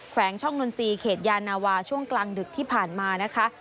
วงช่องนนทรีย์เขตยานาวาช่วงกลางดึกที่ผ่านมานะคะ